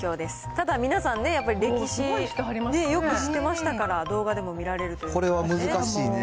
ただ、皆さんね、やっぱり歴史、よく知ってましたから、動画でも見られるというここれは難しいね。